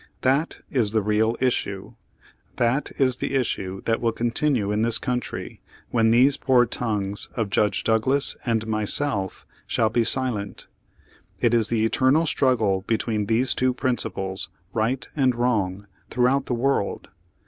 That is the real issue. That is the issue that will continue in this country when these poor tongues of Judge Douglas and myself shall be silent. It is the eternal struggle between these two principles, right and wrong, throughout the world.